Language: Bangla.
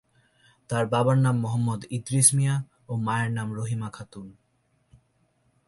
তার বাবার নাম মোহাম্মদ ইদ্রিস মিয়া ও মায়ের নাম রহিমা খাতুন।